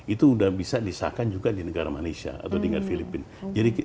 itu sudah bisa disahkan juga di negara malaysia atau diingat filipina